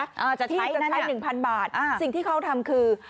จะใช้นั่นนะครับที่จะใช้๑๐๐๐บาทสิ่งที่เขาทำคือ